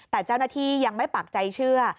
แต่เจ้าหน้าที่ยังไม่ปักใจเชื่อ